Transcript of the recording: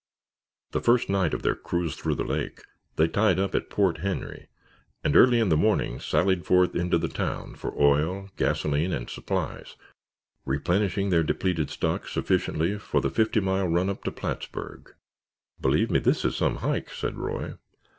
The first night of their cruise through the lake they tied up at Port Henry and early in the morning sallied forth into the town for oil, gasoline and supplies, replenishing their depleted stock sufficiently for the fifty mile run up to Plattsburg. "Believe me, this is some hike," said Roy.